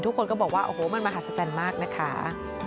ทุกคนก็บอกว่าโอ้โหมันมหัศจรรย์มากนะคะ